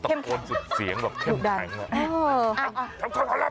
ตะโกนสุดเสียงแบบเข้มแข็ง